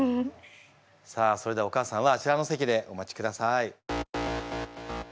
さあそれではお母さんはあちらの席でお待ちください。